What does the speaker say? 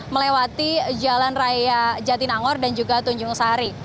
melewati jalan raya jatinangor dan juga tunjung sari